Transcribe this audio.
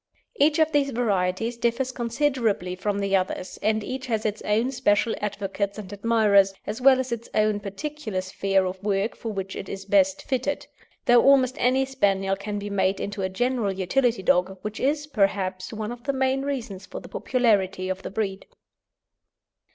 Each of these varieties differs considerably from the others, and each has its own special advocates and admirers, as well as its own particular sphere of work for which it is best fitted, though almost any Spaniel can be made into a general utility dog, which is, perhaps, one of the main reasons for the popularity of the breed.